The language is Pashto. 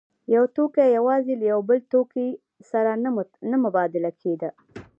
یو توکی یوازې له یو بل توکي سره نه مبادله کېده